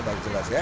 baru jelas ya